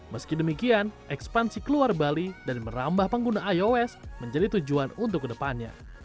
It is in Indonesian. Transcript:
meski demikian ekspansi keluar bali dan merambah pengguna ios menjadi tujuan untuk kedepannya